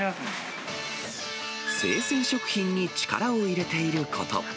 生鮮食品に力を入れていること。